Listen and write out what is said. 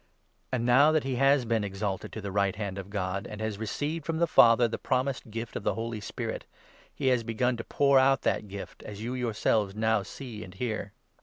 And now that he has been exalted to the right 33 hand of God, and has received from the Father the promised gift of the Holy Spirit, he has begun to pour out that gift, as you yourselves now see and hear.